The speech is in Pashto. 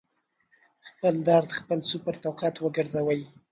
خپل درد خپل سُوپر طاقت وګرځوئ